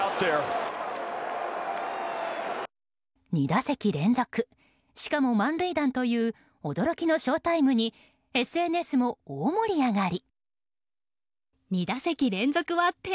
２打席連続しかも満塁弾という驚きのショウタイムにＳＮＳも大盛り上がり。